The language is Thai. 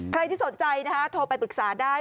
ใครที่สนใจนะคะโทรไปปรึกษาได้